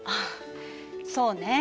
そうね。